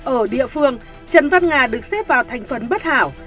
ở địa phương trần văn ngà được xếp vào thành phấn bất hảo